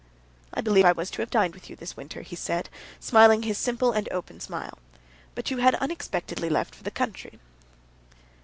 "I believe I was to have dined with you this winter," he said, smiling his simple and open smile; "but you had unexpectedly left for the country."